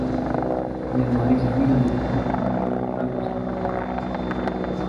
یہ ہماری ذہنی تندرستی کے لئے خطرہ ہوسکتی ہے